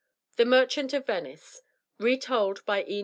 THE MERCHANT OF VENICE Retold by E.